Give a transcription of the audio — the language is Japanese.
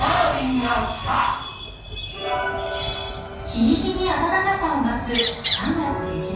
日に日に暖かさを増す３月下旬。